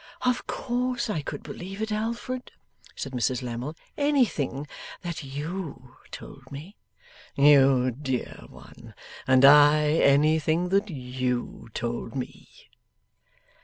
'Of course I could believe, Alfred,' said Mrs Lammle, 'anything that YOU told me.' 'You dear one! And I anything that YOU told me.